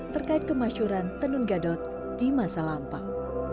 terkait kemasyuran tenun gadot di masa lampau